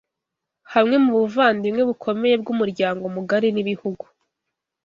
hamwe mu buvandimwe bukomeye bw’ umuryango mugari n’ibihugu